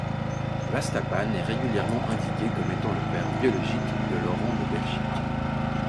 Vastapane est regulièrement indiqué comme étant le père biologique de Laurent de Belgique.